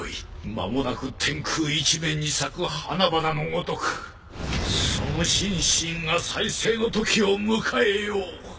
間もなく天空一面に咲く花々のごとくその心身が再生のときを迎えよう。